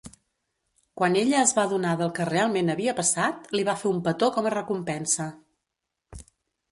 Quan ella es va adonar del que realment havia passat, li va fer un petó com a recompensa.